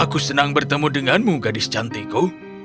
aku akan bertemu denganmu gadis cantiku